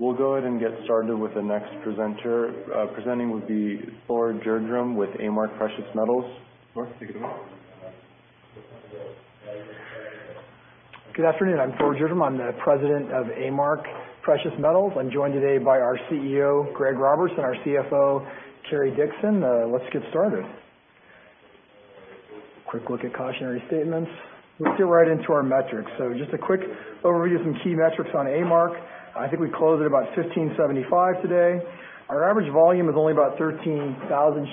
We'll go ahead and get started with the next presenter. Presenting would be Thor Gjerdrum with A-Mark Precious Metals. Thor, take it away. Good afternoon. I'm Thor Gjerdrum. I'm the President of A-Mark Precious Metals. I'm joined today by our CEO, Greg Roberts, our CFO, Cary Dickson. Let's get started. A quick look at cautionary statements. Let's get right into our metrics. Just a quick overview of some key metrics on A-Mark. I think we closed at about $15.75 today. Our average volume is only about 13,000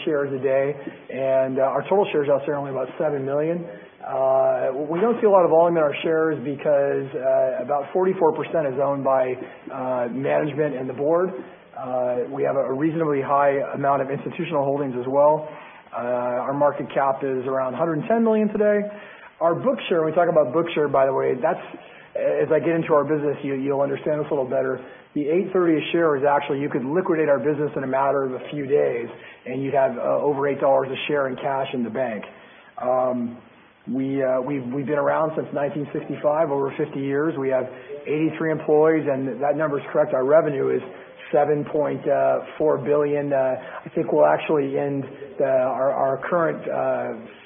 shares a day, and our total shares out there are only about 7 million. We don't see a lot of volume in our shares because about 44% is owned by management and the board. We have a reasonably high amount of institutional holdings as well. Our market cap is around $110 million today. Our book share, we talk about book share by the way, as I get into our business, you'll understand this a little better. The $8.30 a share is actually you could liquidate our business in a matter of a few days, and you'd have over $8 a share in cash in the bank. We've been around since 1965, over 50 years. We have 83 employees, and if that number is correct, our revenue is $7.4 billion. I think we'll actually end our current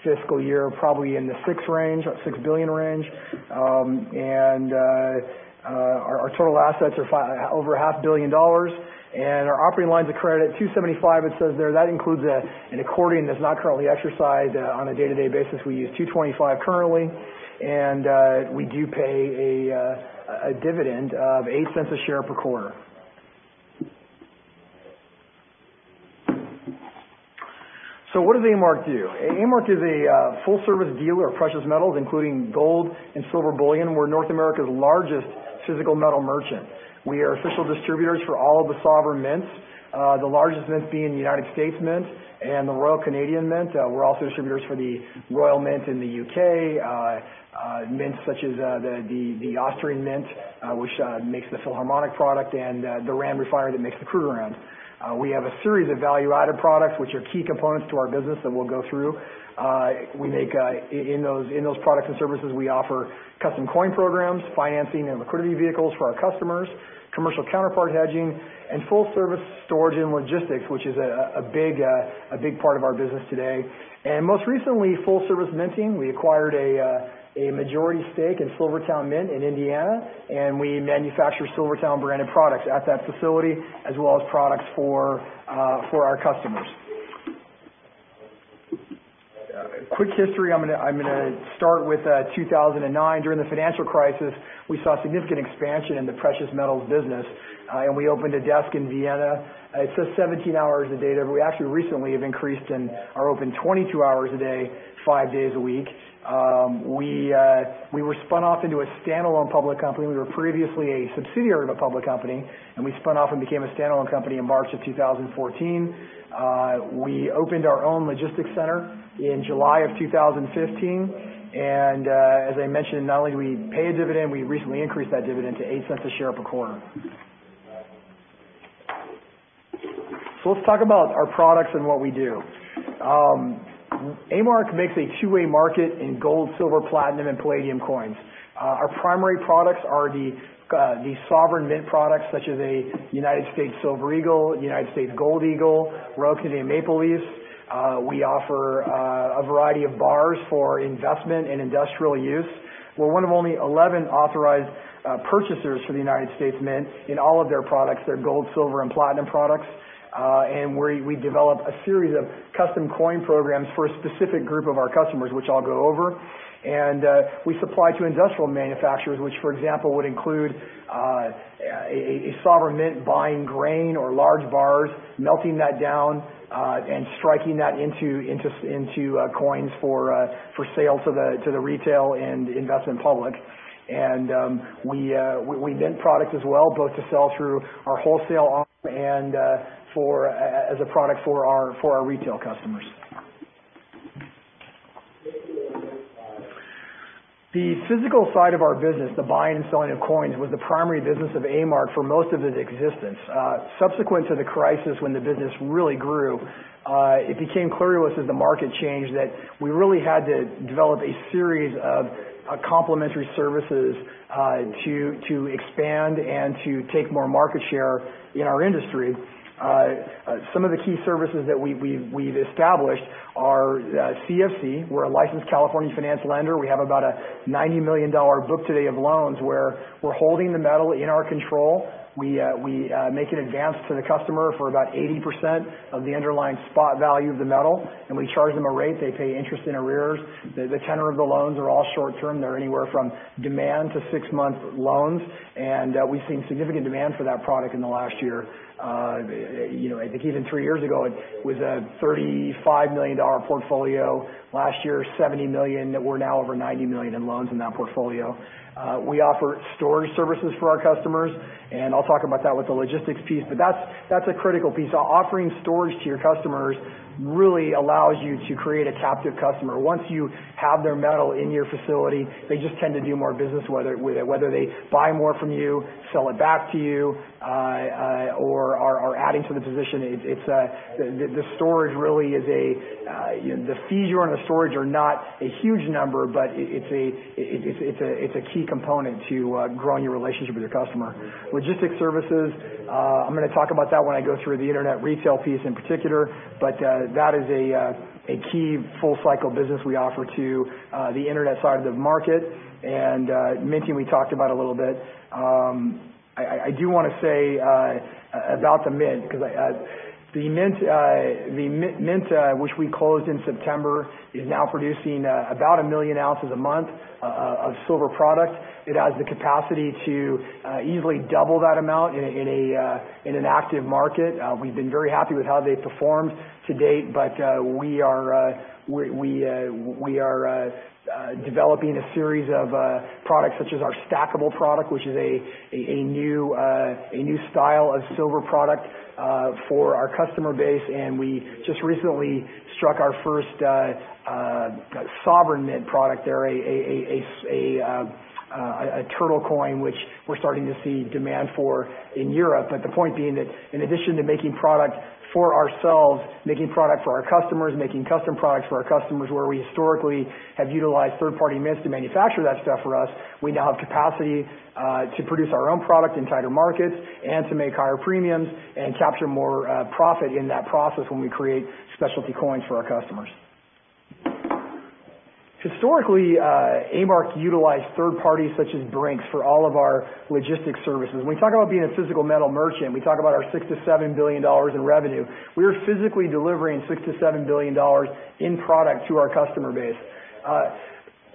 fiscal year probably in the 6 billion range. Our total assets are over half a billion dollars, and our operating lines of credit, $275 million it says there. That includes an accordion that's not currently exercised on a day-to-day basis. We use $225 million currently, and we do pay a dividend of $0.08 a share per quarter. What does A-Mark do? A-Mark is a full service dealer of precious metals, including gold and silver bullion. We're North America's largest physical metal merchant. We are official distributors for all of the sovereign mints, the largest mint being the United States Mint and the Royal Canadian Mint. We're also distributors for The Royal Mint in the U.K., mints such as the Austrian Mint, which makes the Philharmonic product, and the Rand Refinery that makes the Krugerrand. We have a series of value-added products which are key components to our business that we'll go through. In those products and services, we offer custom coin programs, financing and liquidity vehicles for our customers, commercial counterpart hedging, and full service storage and logistics, which is a big part of our business today. Most recently, full service minting. We acquired a majority stake in SilverTowne Mint in Indiana, and we manufacture SilverTowne branded products at that facility as well as products for our customers. Quick history, I'm going to start with 2009. During the financial crisis, we saw significant expansion in the precious metals business. We opened a desk in Vienna. It says 17 hours a day there, we actually recently have increased and are open 22 hours a day, five days a week. We were spun off into a standalone public company. We were previously a subsidiary of a public company, and we spun off and became a standalone company in March of 2014. We opened our own logistics center in July of 2015. As I mentioned, not only do we pay a dividend, we recently increased that dividend to $0.08 a share per quarter. Let's talk about our products and what we do. A-Mark makes a two-way market in gold, silver, platinum, and palladium coins. Our primary products are the sovereign mint products such as a United States Silver Eagle, United States Gold Eagle, Royal Canadian Maple Leafs. We offer a variety of bars for investment and industrial use. We're one of only 11 authorized purchasers for the United States Mint in all of their products, their gold, silver, and platinum products. We develop a series of custom coin programs for a specific group of our customers, which I'll go over. We supply to industrial manufacturers, which, for example, would include a sovereign mint buying grain or large bars, melting that down, and striking that into coins for sale to the retail and investment public. We mint products as well, both to sell through our wholesale arm as a product for our retail customers. The physical side of our business, the buying and selling of coins, was the primary business of A-Mark for most of its existence. Subsequent to the crisis, when the business really grew, it became clear to us as the market changed that we really had to develop a series of complementary services to expand and to take more market share in our industry. Some of the key services that we've established are CFC. We're a licensed California Finance Lender. We have about a $90 million book today of loans where we're holding the metal in our control. We make an advance to the customer for about 80% of the underlying spot value of the metal. We charge them a rate. They pay interest in arrears. The tenor of the loans are all short-term. They're anywhere from demand to six-month loans. We've seen significant demand for that product in the last year. I think even three years ago, it was a $35 million portfolio. Last year, $70 million, we're now over $90 million in loans in that portfolio. We offer storage services for our customers. I'll talk about that with the logistics piece, but that's a critical piece. Offering storage to your customers really allows you to create a captive customer. Once you have their metal in your facility, they just tend to do more business, whether they buy more from you, sell it back to you, or are adding to the position. The fees you earn on storage are not a huge number, but it's a key component to growing your relationship with your customer. Logistics services, I'm going to talk about that when I go through the internet retail piece in particular, but that is a key full cycle business we offer to the internet side of the market. Minting we talked about a little bit. I do want to say about the mint, because the mint which we closed in September, is now producing about 1 million ounces a month of silver product. It has the capacity to easily double that amount in an active market. We've been very happy with how they've performed to date, but we are developing a series of products such as our stackable product, which is a new style of silver product for our customer base, and we just recently struck our first sovereign mint product or a turtle coin, which we're starting to see demand for in Europe. The point being that in addition to making product for ourselves, making product for our customers, making custom products for our customers, where we historically have utilized third-party mints to manufacture that stuff for us, we now have capacity to produce our own product in tighter markets and to make higher premiums and capture more profit in that process when we create specialty coins for our customers. Historically, A-Mark utilized third parties such as Brink's for all of our logistics services. When we talk about being a physical metal merchant, we talk about our $6 billion-$7 billion in revenue. We are physically delivering $6 billion-$7 billion in product to our customer base.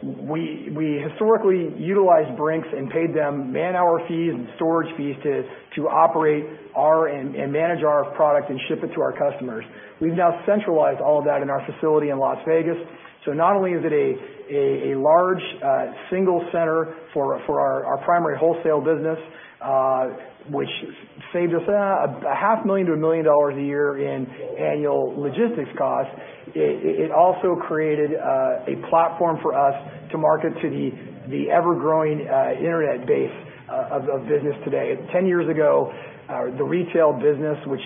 We historically utilized Brink's and paid them man-hour fees and storage fees to operate and manage our product and ship it to our customers. We've now centralized all of that in our facility in Las Vegas. Not only is it a large single center for our primary wholesale business, which saved us a half a million dollars to $1 million a year in annual logistics costs, it also created a platform for us to market to the ever-growing internet base of business today. 10 years ago, the retail business, which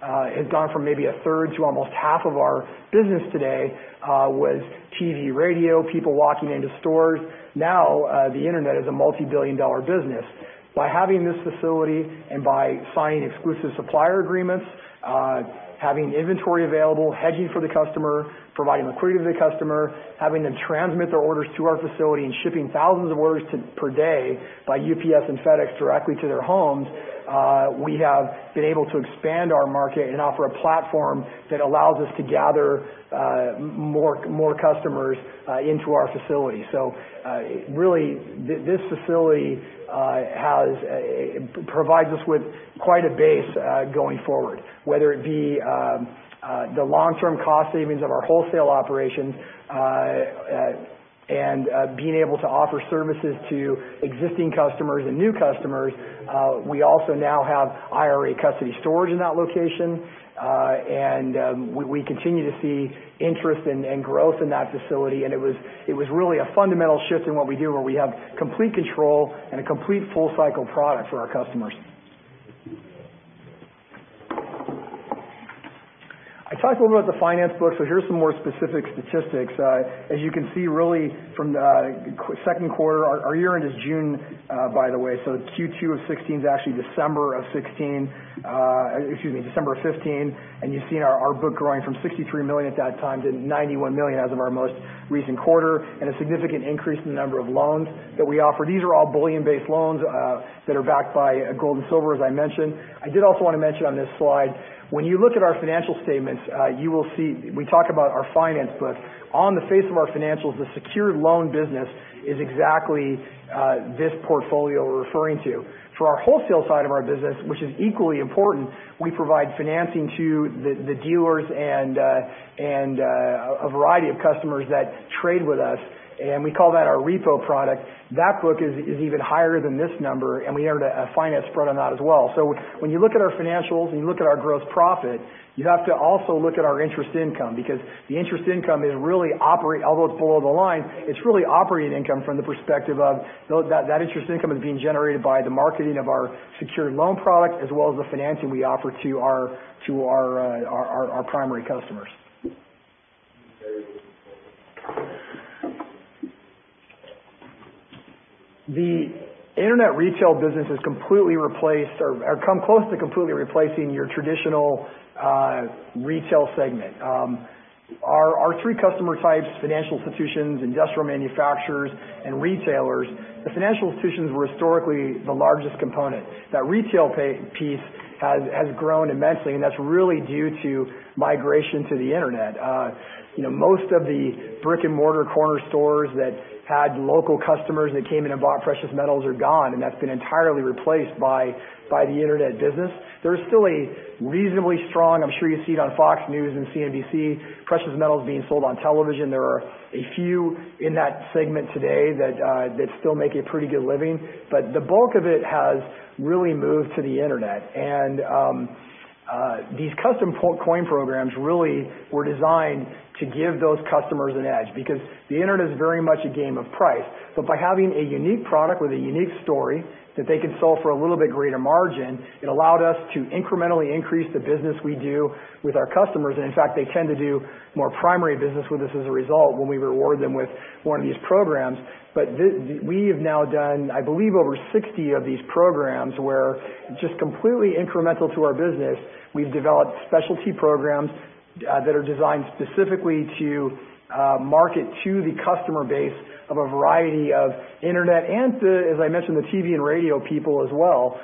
has gone from maybe a third to almost half of our business today, was TV, radio, people walking into stores. The internet is a multi-billion dollar business. By having this facility and by signing exclusive supplier agreements, having inventory available, hedging for the customer, providing liquidity to the customer, having them transmit their orders to our facility and shipping thousands of orders per day by UPS and FedEx directly to their homes, we have been able to expand our market and offer a platform that allows us to gather more customers into our facility. Really, this facility provides us with quite a base going forward, whether it be the long-term cost savings of our wholesale operations and being able to offer services to existing customers and new customers. We also now have IRA custody storage in that location. We continue to see interest and growth in that facility, and it was really a fundamental shift in what we do, where we have complete control and a complete full-cycle product for our customers. I talked a little about the finance book, so here's some more specific statistics. As you can see, really from the second quarter, our year end is June, by the way, so Q2 of 2016 is actually December of 2016, excuse me, December of 2015, and you've seen our book growing from $63 million at that time to $91 million as of our most recent quarter and a significant increase in the number of loans that we offer. These are all bullion-based loans that are backed by gold and silver, as I mentioned. I did also want to mention on this slide, when you look at our financial statements, you will see we talk about our finance book. On the face of our financials, the secured loan business is exactly this portfolio we're referring to. For our wholesale side of our business, which is equally important, we provide financing to the dealers and a variety of customers that trade with us, and we call that our repo product. That book is even higher than this number, and we earn a finance spread on that as well. When you look at our financials and you look at our gross profit, you have to also look at our interest income, because the interest income is really operating, although it's below the line, it's really operating income from the perspective of that interest income is being generated by the marketing of our secured loan product as well as the financing we offer to our primary customers. The internet retail business has completely replaced or come close to completely replacing your traditional retail segment. Our 3 customer types, financial institutions, industrial manufacturers, and retailers, the financial institutions were historically the largest component. That retail piece has grown immensely, and that's really due to migration to the internet. Most of the brick-and-mortar corner stores that had local customers that came in and bought precious metals are gone, and that's been entirely replaced by the internet business. There's still a reasonably strong, I'm sure you see it on Fox News and CNBC, precious metals being sold on television. There are a few in that segment today that still make a pretty good living, but the bulk of it has really moved to the internet. These custom coin programs really were designed to give those customers an edge because the internet is very much a game of price. By having a unique product with a unique story that they could sell for a little bit greater margin, it allowed us to incrementally increase the business we do with our customers, and in fact, they tend to do more primary business with us as a result when we reward them with one of these programs. We have now done, I believe, over 60 of these programs where just completely incremental to our business, we've developed specialty programs that are designed specifically to market to the customer base of a variety of internet and, as I mentioned, the TV and radio people as well,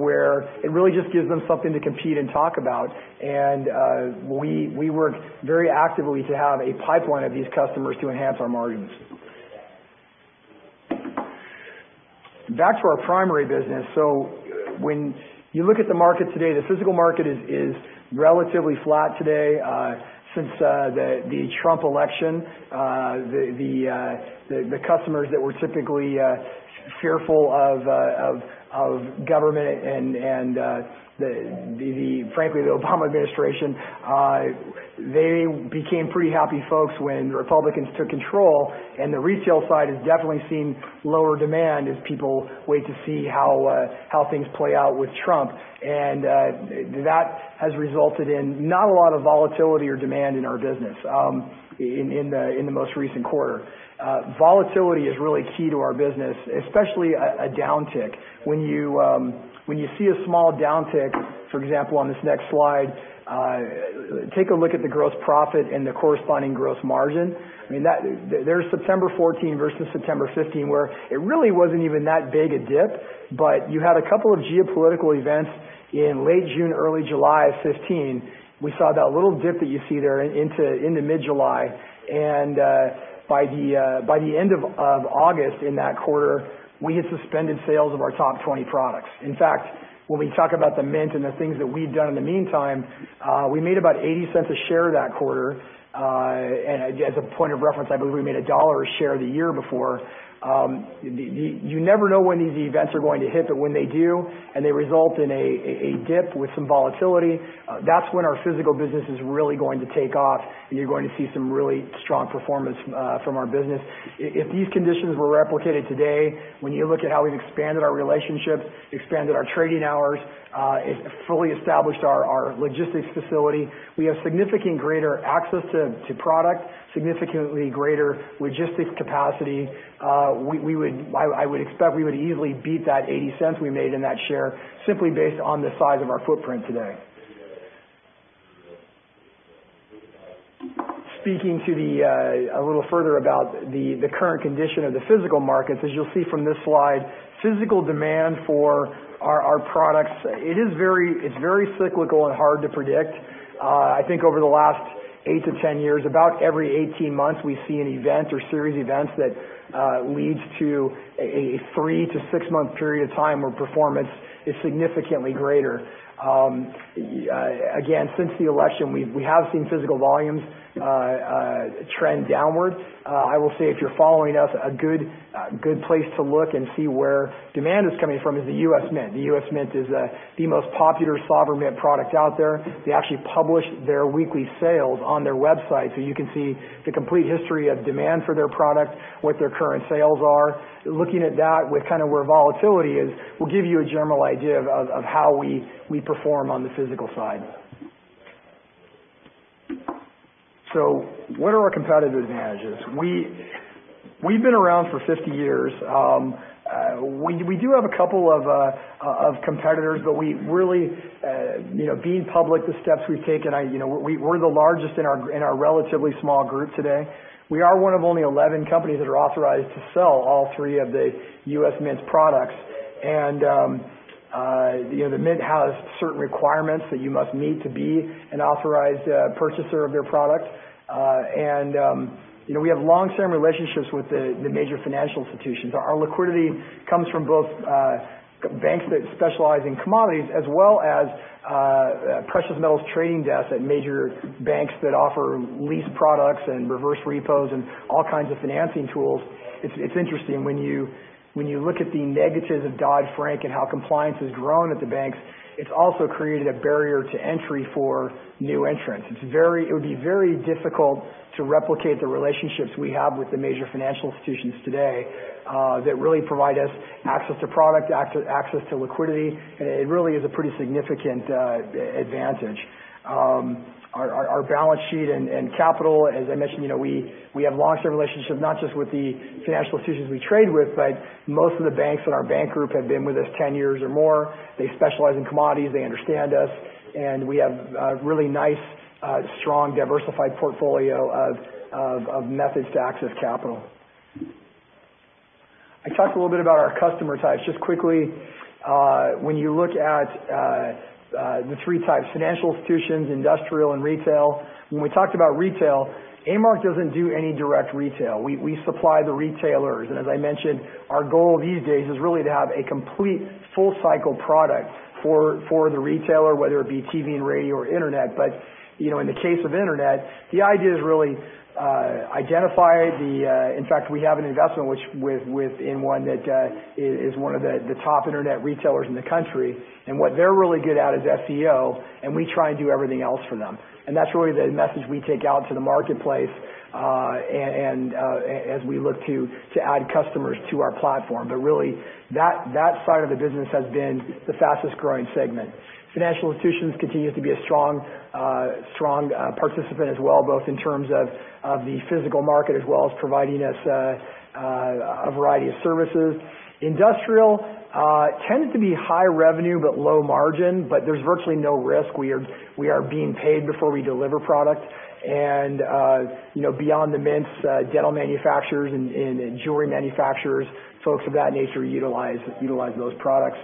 where it really just gives them something to compete and talk about. We work very actively to have a pipeline of these customers to enhance our margins. Back to our primary business. When you look at the market today, the physical market is relatively flat today. Since the Trump election, the customers that were typically fearful of government and frankly, the Obama administration, they became pretty happy folks when Republicans took control, the retail side has definitely seen lower demand as people wait to see how things play out with Trump. That has resulted in not a lot of volatility or demand in our business in the most recent quarter. Volatility is really key to our business, especially a downtick. When you see a small downtick, for example, on this next slide, take a look at the gross profit and the corresponding gross margin. There is September 2014 versus September 2015, where it really wasn't even that big a dip, but you had a couple of geopolitical events in late June, early July of 2015. We saw that little dip that you see there into mid-July. By the end of August in that quarter, we had suspended sales of our top 20 products. In fact, when we talk about the Mint and the things that we've done in the meantime, we made about $0.80 a share that quarter. As a point of reference, I believe we made $1 a share the year before. You never know when these events are going to hit, but when they do and they result in a dip with some volatility, that's when our physical business is really going to take off, and you're going to see some really strong performance from our business. If these conditions were replicated today, when you look at how we've expanded our relationships, expanded our trading hours, fully established our logistics facility, we have significantly greater access to product, significantly greater logistics capacity. I would expect we would easily beat that $0.80 we made in that share simply based on the size of our footprint today. Speaking a little further about the current condition of the physical markets, as you will see from this slide, physical demand for our products, it's very cyclical and hard to predict. I think over the last 8 to 10 years, about every 18 months, we see an event or series of events that leads to a 3 to 6-month period of time where performance is significantly greater. Again, since the election, we have seen physical volumes trend downward. I will say if you're following us, a good place to look and see where demand is coming from is the U.S. Mint. The U.S. Mint is the most popular sovereign mint product out there. They actually publish their weekly sales on their website, so you can see the complete history of demand for their product, what their current sales are. Looking at that with kind of where volatility is, will give you a general idea of how we perform on the physical side. What are our competitive advantages? We've been around for 50 years. We do have a couple of competitors, but being public, the steps we've taken, we're the largest in our relatively small group today. We are one of only 11 companies that are authorized to sell all three of the U.S. Mint's products. The Mint has certain requirements that you must meet to be an authorized purchaser of their product. We have long-term relationships with the major financial institutions. Our liquidity comes from both banks that specialize in commodities as well as precious metals trading desks at major banks that offer lease products and reverse repos and all kinds of financing tools. It's interesting when you look at the negatives of Dodd-Frank and how compliance has grown at the banks, it's also created a barrier to entry for new entrants. It would be very difficult to replicate the relationships we have with the major financial institutions today that really provide us access to product, access to liquidity. It really is a pretty significant advantage. Our balance sheet and capital, as I mentioned, we have long-term relationships, not just with the financial institutions we trade with, but most of the banks in our bank group have been with us 10 years or more. They specialize in commodities, they understand us, and we have a really nice, strong, diversified portfolio of methods to access capital. I talked a little bit about our customer types. Just quickly, when you look at the 3 types, financial institutions, industrial, and retail. When we talked about retail, A-Mark doesn't do any direct retail. We supply the retailers. As I mentioned, our goal these days is really to have a complete full-cycle product for the retailer, whether it be TV and radio or internet. In the case of internet, the idea is really to identify, in fact, we have an investment within one that is one of the top internet retailers in the country, and what they're really good at is SEO, and we try and do everything else for them. That's really the message we take out to the marketplace as we look to add customers to our platform. Really that side of the business has been the fastest growing segment. Financial institutions continue to be a strong participant as well, both in terms of the physical market as well as providing us a variety of services. Industrial tends to be high revenue, but low margin, but there's virtually no risk. We are being paid before we deliver product. Beyond the mints, dental manufacturers and jewelry manufacturers, folks of that nature utilize those products.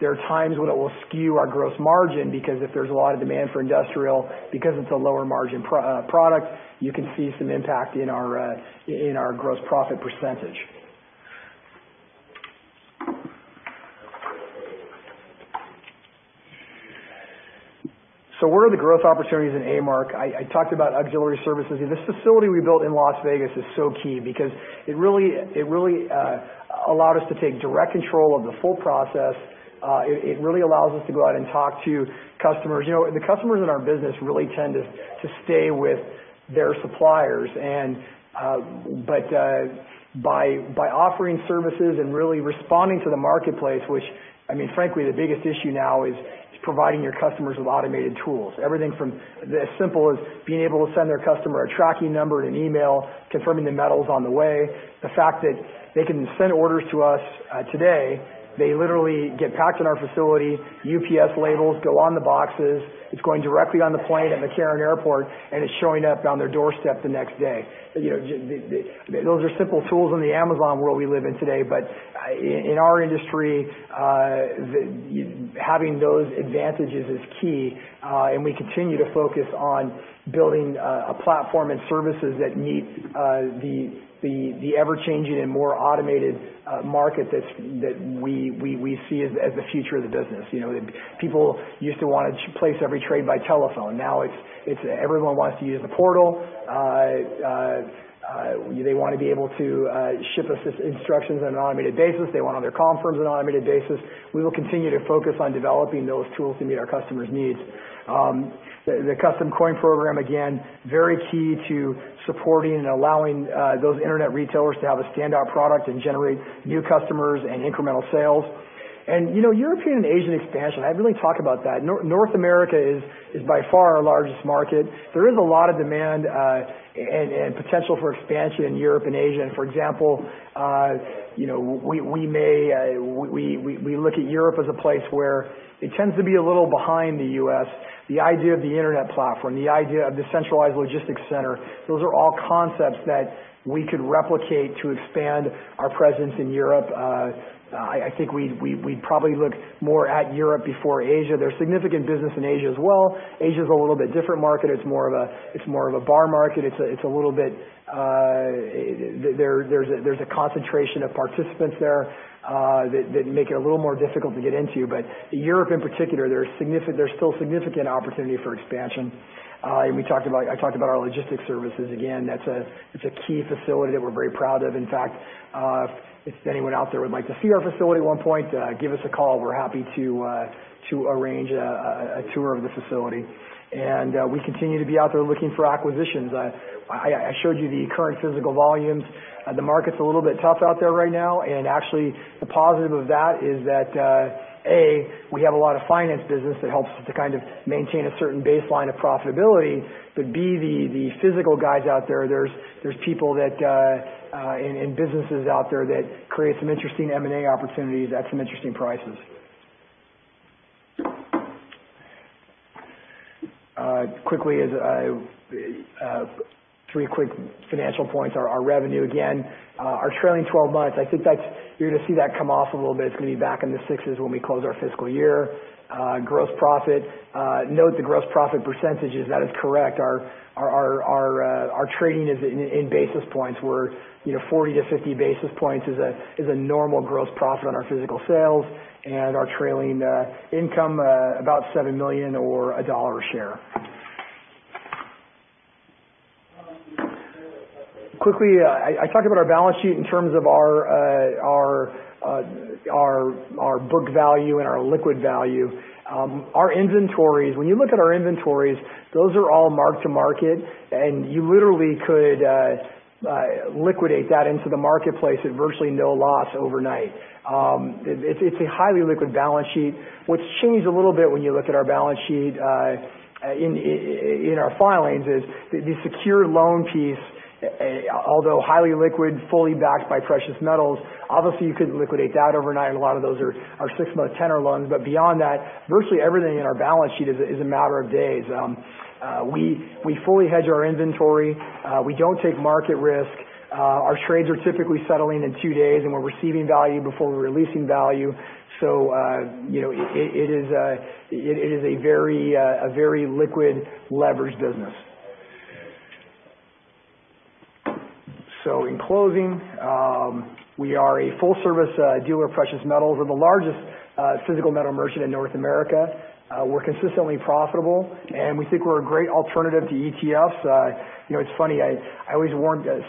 There are times when it will skew our gross margin, because if there's a lot of demand for industrial, because it's a lower margin product, you can see some impact in our gross profit %. What are the growth opportunities in A-Mark? I talked about auxiliary services. This facility we built in Las Vegas is so key because it really allowed us to take direct control of the full process. It really allows us to go out and talk to customers. The customers in our business really tend to stay with their suppliers. By offering services and really responding to the marketplace, which, frankly, the biggest issue now is providing your customers with automated tools. Everything from as simple as being able to send their customer a tracking number in an email confirming the metal's on the way. The fact that they can send orders to us today, they literally get packed in our facility, UPS labels go on the boxes, it's going directly on the plane at McCarran Airport, and it's showing up on their doorstep the next day. Those are simple tools in the Amazon world we live in today, but in our industry, having those advantages is key, and we continue to focus on building a platform and services that meet the ever-changing and more automated market that we see as the future of the business. People used to want to place every trade by telephone. Now everyone wants to use the portal. They want to be able to ship us instructions on an automated basis. They want all their confirms on an automated basis. We will continue to focus on developing those tools to meet our customers' needs. The custom coin program, again, very key to supporting and allowing those internet retailers to have a standout product and generate new customers and incremental sales. European and Asian expansion, I haven't really talked about that. North America is by far our largest market. There is a lot of demand and potential for expansion in Europe and Asia. For example, we look at Europe as a place where it tends to be a little behind the U.S. The idea of the internet platform, the idea of the centralized logistics center, those are all concepts that we could replicate to expand our presence in Europe. I think we'd probably look more at Europe before Asia. There's significant business in Asia as well. Asia's a little bit different market. It's more of a bar market. There's a concentration of participants there that make it a little more difficult to get into. Europe in particular, there's still significant opportunity for expansion. I talked about our logistics services. Again, that's a key facility that we're very proud of. In fact, if anyone out there would like to see our facility at one point, give us a call. We're happy to arrange a tour of the facility. We continue to be out there looking for acquisitions. I showed you the current physical volumes. The market's a little bit tough out there right now, and actually the positive of that is that, A, we have a lot of finance business that helps to kind of maintain a certain baseline of profitability. B, the physical guys out there's people and businesses out there that create some interesting M&A opportunities at some interesting prices. Quickly, three quick financial points. Our revenue, again our trailing 12 months, I think you're going to see that come off a little bit. It's going to be back in the 6s when we close our fiscal year. Gross profit. Note the gross profit percentages. That is correct. Our trading is in basis points where 40 to 50 basis points is a normal gross profit on our physical sales and our trailing income, about $7 million or $1 a share. Quickly, I talked about our balance sheet in terms of our book value and our liquid value. Our inventories, when you look at our inventories, those are all mark-to-market, and you literally could liquidate that into the marketplace at virtually no loss overnight. It's a highly liquid balance sheet. What's changed a little bit when you look at our balance sheet in our filings is the secure loan piece, although highly liquid, fully backed by precious metals, obviously you couldn't liquidate that overnight, and a lot of those are six-month tenor loans. Beyond that, virtually everything in our balance sheet is a matter of days. We fully hedge our inventory. We don't take market risk. Our trades are typically settling in two days, and we're receiving value before we're releasing value, so it is a very liquid leveraged business. In closing, we are a full-service dealer of precious metals. We're the largest physical metal merchant in North America. We're consistently profitable, and we think we're a great alternative to ETFs. It's funny,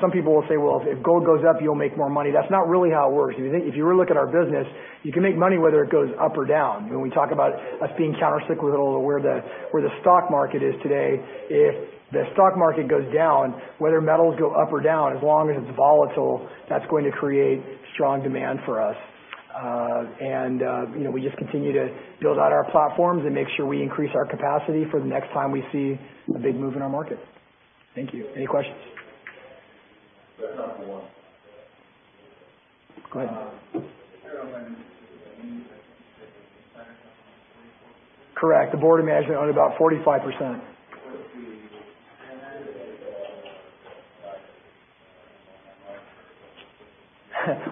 some people will say, "Well, if gold goes up, you'll make more money." That's not really how it works. If you really look at our business, you can make money whether it goes up or down. When we talk about us being countercyclical to where the stock market is today, if the stock market goes down, whether metals go up or down, as long as it's volatile, that's going to create strong demand for us. We just continue to build out our platforms and make sure we increase our capacity for the next time we see a big move in our market. Thank you. Any questions? Go ahead. Correct. The board of management owned about 45%.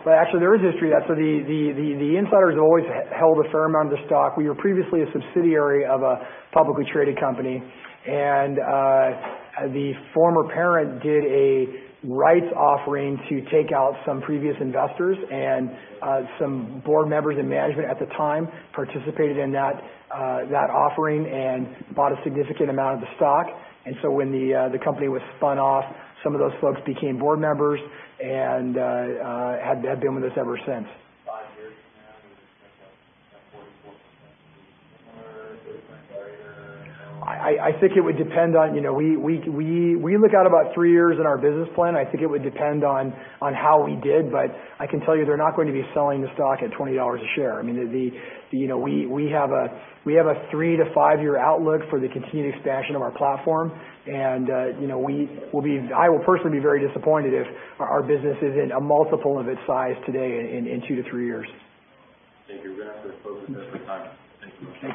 Actually, there is history. The insiders have always held a firm amount of stock. We were previously a subsidiary of a publicly traded company, the former parent did a rights offering to take out some previous investors and some board members and management at the time participated in that offering and bought a significant amount of the stock. When the company was spun off, some of those folks became board members and have been with us ever since. We look out about three years in our business plan. I think it would depend on how we did, but I can tell you they're not going to be selling the stock at $20 a share. We have a three to five-year outlook for the continued expansion of our platform, and I will personally be very disappointed if our business isn't a multiple of its size today in two to three years. Thank you. We're going to have to close it there for time. Thank you.